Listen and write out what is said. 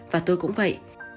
và tôi cũng vậy